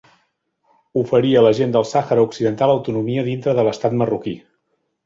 Oferia a la gent del Sahara Occidental autonomia dintre de l'estat marroquí.